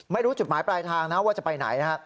ไม่รู้จุดหมายปลายทางนะว่าจะไปไหนนะฮะ